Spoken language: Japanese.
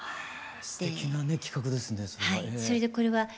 すてきなね企画ですね。